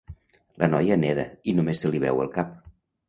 La noia neda i només se li veu el cap.